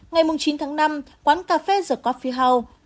ngày chín tháng năm quán cà phê the coffee house